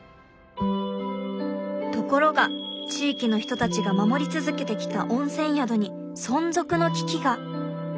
ところが地域の人たちが守り続けてきた温泉宿に存続の危機が！